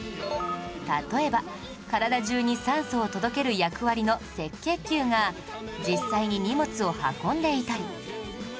例えば体中に酸素を届ける役割の赤血球が実際に荷物を運んでいたり